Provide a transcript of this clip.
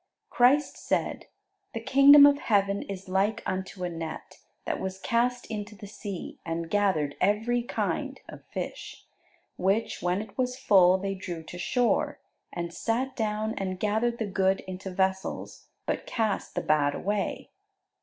Christ said, "The kingdom of heaven is like unto a net, that was cast into the sea, and gathered every kind (of fish): which, when it was full, they drew to shore, and sat down, and gathered the good into vessels, but cast the bad away.